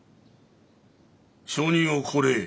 証人をこれへ。